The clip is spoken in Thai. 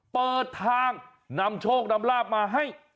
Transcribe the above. เปิดทางนำโชคนำลาบมาให้